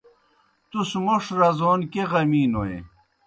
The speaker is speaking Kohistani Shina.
تُس موݜ رزون کیْہ غمِی نوئے؟